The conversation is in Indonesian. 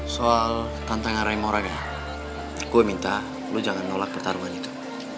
soal tantangan gue minta lo jangan nolak pertarungan itu